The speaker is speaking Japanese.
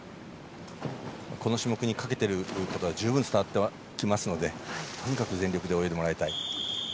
この種目にかけていることが十分伝わってきますのでとにかく全力で泳いでもらいたい。